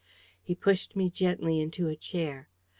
He pushed me gently into a chair.